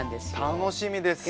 楽しみです！